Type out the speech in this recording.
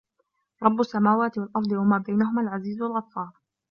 رَبُّ السَّماواتِ وَالأَرضِ وَما بَينَهُمَا العَزيزُ الغَفّارُ